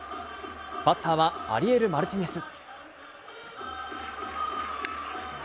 バッターはアリエル・マルティネス。